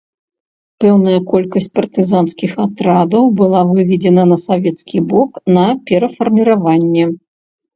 Пэўная колькасць партызанскіх атрадаў была выведзена на савецкі бок на перафарміраванне.